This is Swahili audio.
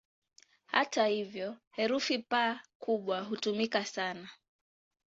Hata hivyo, herufi "P" kubwa hutumika sana.